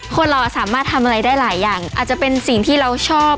คนเราสามารถทำอะไรได้หลายอย่างอาจจะเป็นสิ่งที่เราชอบ